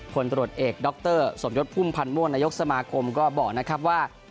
ตรวจเอกดรสมยศพุ่มพันธ์ม่วงนายกสมาคมก็บอกนะครับว่า